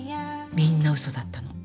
みんなウソだったの。